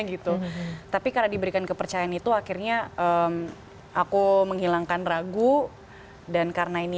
gitu tapi karena diberikan kepercayaan itu akhirnya aku menghilangkan ragu dan karena ini